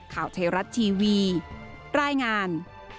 ข่าวเทราะห์ทีวีรายงาน